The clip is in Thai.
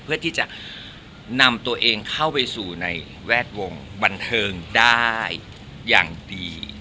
เพื่อที่จะนำตัวเองเข้าไปสู่ในแวดวงบันเทิงได้อย่างดี